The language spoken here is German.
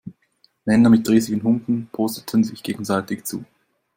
Männer mit riesigen Humpen prosteten sich gegenseitig zu.